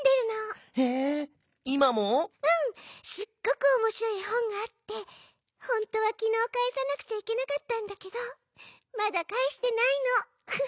すっごくおもしろいえほんがあってほんとはきのうかえさなくちゃいけなかったんだけどまだかえしてないのウフフ。